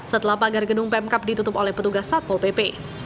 setelah pagar gedung pemkap ditutup oleh petugas satpol pp